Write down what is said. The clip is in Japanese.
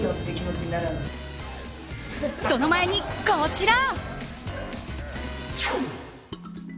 その前に、こちら。